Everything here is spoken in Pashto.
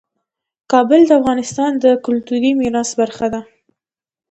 کابل د افغانستان د کلتوري میراث برخه ده.